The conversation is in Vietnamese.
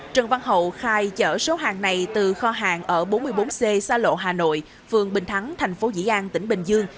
trần văn hậu khai chở số hàng này từ kho hàng ở bốn mươi bốn c sa lộ hà nội phường bình thắng thành phố dĩ an tỉnh bình dương